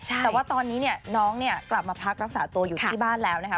แต่ว่าตอนนี้เนี่ยน้องเนี่ยกลับมาพักรักษาตัวอยู่ที่บ้านแล้วนะคะ